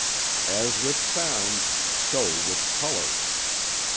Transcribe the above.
"As with sounds, so with colors.